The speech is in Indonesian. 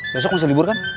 besok bisa lembur kan